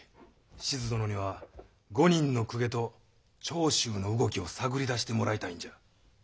志津殿には５人の公家と長州の動きを探り出してもらいたいんじゃ。